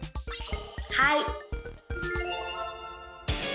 はい！